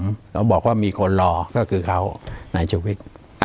เขาบอกว่ามีคนรอก็คือเขานายชวิต